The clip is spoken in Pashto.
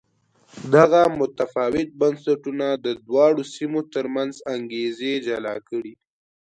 دغه متفاوت بنسټونه د دواړو سیمو ترمنځ انګېزې جلا کړې.